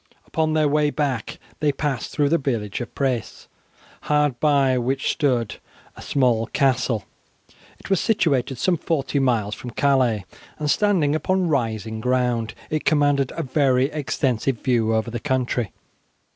Upon their way back they passed through the village of Pres, hard by which stood a small castle. It was situated some forty miles from Calais, and standing upon rising ground, it commanded a very extensive view over the country.